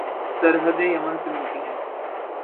سرحدیں Yemen سے ملتی ہیں